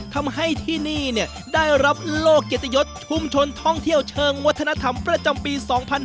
ทำให้ที่นี่ได้รับโลกเกียรติยศชุมชนท่องเที่ยวเชิงวัฒนธรรมประจำปี๒๕๕๙